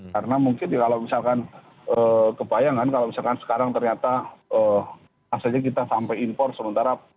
karena mungkin ya kalau misalkan ee kebayangan kalau misalkan sekarang ternyata ee asalnya kita sampai impor sementara